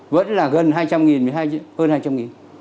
vẫn là gần hai trăm linh nghìn hơn hai trăm linh nghìn